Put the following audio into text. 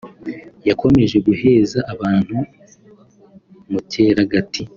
yakomeje guheza abantu mu cyeragati